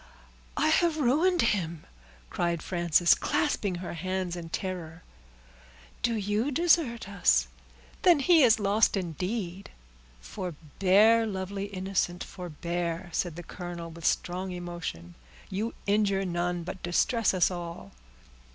"I have ruined him!" cried Frances, clasping her hands in terror. "Do you desert us? then he is lost, indeed!" "Forbear! lovely innocent, forbear!" said the colonel, with strong emotion; "you injure none, but distress us all."